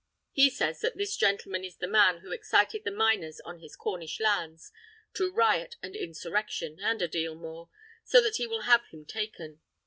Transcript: He says that this gentleman is the man who excited the miners on his Cornish lands to riot and insurrection, and a deal more, so that he will have him taken.